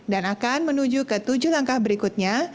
dan akan menuju ke tujuh langkah berikutnya